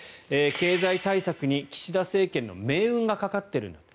経済対策に岸田政権の命運がかかっているんだと。